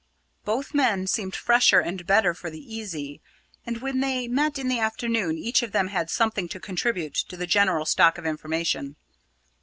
Both men seemed fresher and better for the "easy," and when they met in the afternoon each of them had something to contribute to the general stock of information.